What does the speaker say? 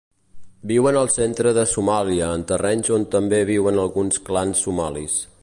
Viuen al centre de Somàlia en terrenys on també viuen alguns clans somalis.